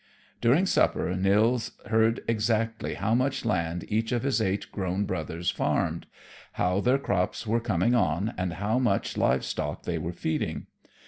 During supper Nils heard exactly how much land each of his eight grown brothers farmed, how their crops were coming on, and how much live stock they were feeding.